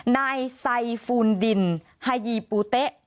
นายไซฟูนดินฮายีปูเต๊ะ